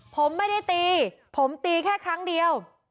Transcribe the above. ผมไม่ได้ตีผมตีแค่ครั้งเดียว